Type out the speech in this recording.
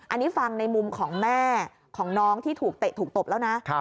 อันนี้ฟังในมุมของแม่ของน้องที่ถูกเตะถูกตบแล้วนะ